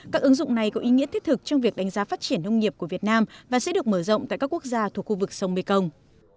các ứng dụng này có ý nghĩa thiết thực trong việc đánh giá phát triển nông nghiệp của việt nam và sẽ được mở rộng tại các quốc gia thuộc khu vực sông mekong